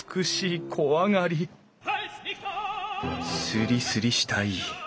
すりすりしたい。